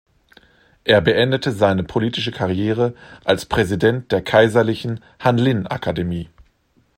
Er beendete seine politische Karriere als Präsident der kaiserlichen Hanlin-Akademie.